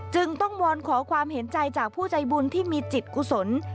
จึงต้องวอนขอความเห็นใจจากผู้ใจบุญที่มีจิตกุศล